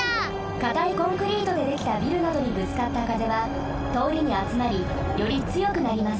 かたいコンクリートでできたビルなどにぶつかった風はとおりにあつまりよりつよくなります。